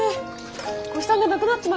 お日さんがなくなっちまうよ。